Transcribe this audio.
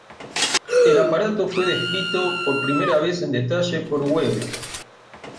El aparato fue descrito por primera vez en detalle por Weber.